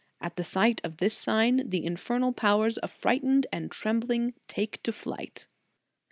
At the sight of this sign, the infernal powers, affrighted and trembling, take to flight."